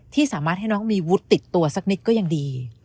ที่สามารถให้น้องมีวุฒิติดตัวสักนิดก็ยังดี